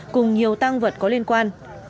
cùng nhiều tăng vật có liên quan